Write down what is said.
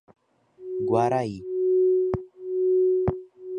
Guaraí